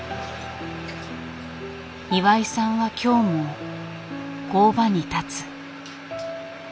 岩井さんは今日も工場に立つ。